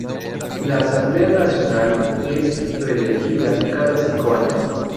La Asamblea Nacional es reelegida cada cinco años.